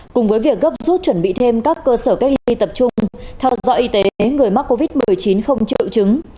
cùng với việc gấp rút chuẩn bị thêm các cơ sở cách ly tập trung theo dõi y tế người mắc covid một mươi chín không triệu chứng